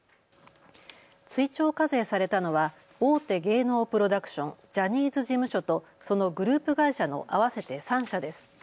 追徴課税されたのは大手芸能プロダクションジャニーズ事務所とそのグループ会社の合わせて３社です。